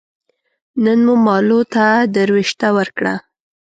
نن مو مالو ته دروشته ور کړه